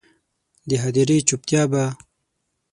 د هدیرې چوپتیا به،